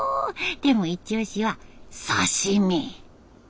でもイチオシは刺身。